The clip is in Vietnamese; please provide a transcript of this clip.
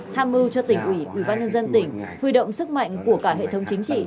tham mưu cho tỉnh ủy ubnd tỉnh huy động sức mạnh của cả hệ thống chính trị